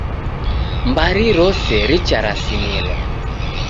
Mbari rose richarasimilwa